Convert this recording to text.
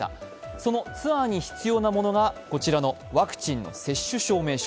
そのツアーに必要なものが、こちらのワクチンの接種証明書。